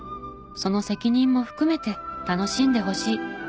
その責任も含めて楽しんでほしい。